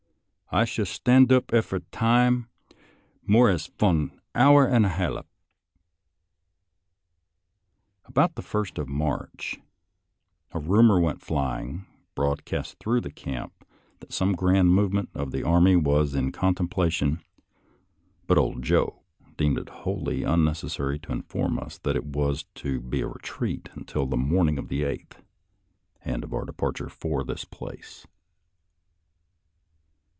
I schust stand oop effer time more as von hour und a halluf." About the 1st of March a rumor went flying broadcast through the camp that some grand movement of the army was in contemplation, but " old Joe " deemed it wholly unnecessary to in form us that it was to be a retreat until the morn ing of the 8th, and of our departure for this place.